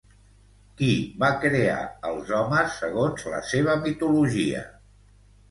Qui va crear els homes, segons la seva mitologia?